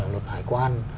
luật hải quan